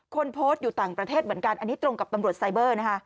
คนโพสต์อยู่ต่างประเทศเหมือนกันอันนี้ตรงกับตำรวจไซเบอร์นะคะ